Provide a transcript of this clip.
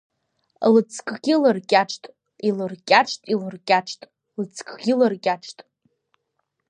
Лыҵкгьы лыркьаҿт, илыркьаҿт, илыркьаҿт, лыҵкгьы лыркьаҿт.